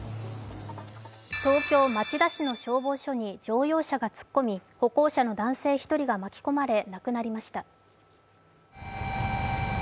東京・町田市の消防署に乗用車が突っ込み歩行者の男性１人が巻き込まれ亡くなりました。